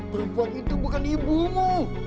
perempuan itu bukan ibumu